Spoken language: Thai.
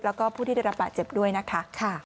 แล้วก็ผู้ที่ได้รับบาดเจ็บด้วยนะคะ